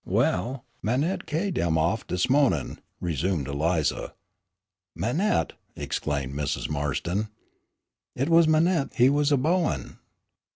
"Well, Manette ca'ied him off dis mo'nin'," resumed Eliza. "Manette!" exclaimed Mrs. Marston. "It was Manette he was a beauin'.